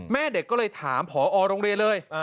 แม่เด็กก็เลยถามผอโรงเรียนเลย